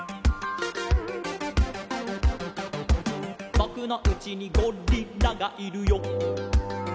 「ぼくのうちにゴリラがいるよ」